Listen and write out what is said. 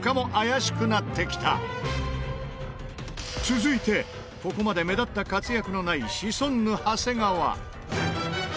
続いてここまで目立った活躍のないシソンヌ長谷川。